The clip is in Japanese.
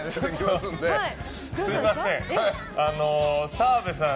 すみません、澤部さん